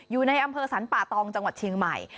อยู่ในอำเภอสรรป่าตองจังหวัดเชียงใหม่